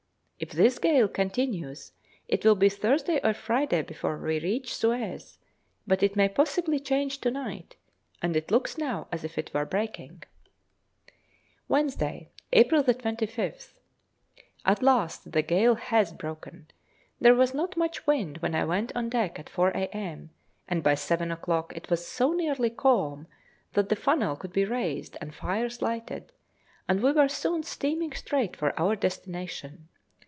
If this gale continues, it will be Thursday or Friday before we reach Suez; but it may possibly change to night, and it looks now as if it were breaking. [Illustration: Beating up the Red Sea.] Wednesday, April 25th. At last the gale has broken. There was not much wind when I went on deck at 4 a.m., and by seven o'clock it was so nearly calm, that the funnel could be raised and fires lighted, and we were soon steaming straight for our destination.